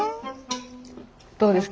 どうですか？